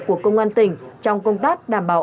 của công an tỉnh trong công tác đảm bảo